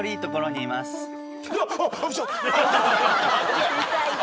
いたいた。